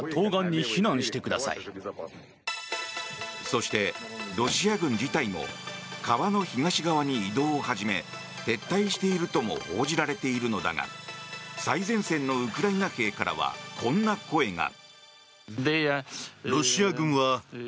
そして、ロシア軍自体も川の東側に移動を始め撤退しているとも報じられているのだが最前線のウクライナ兵からはこんな声が。